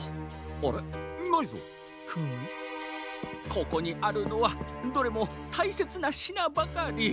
ここにあるのはどれもたいせつなしなばかり。